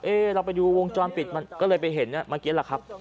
เอ๊ะเราไปดูวงจรปิดมันก็เลยไปเห็นน่ะมันเกี้ยวล่ะครับ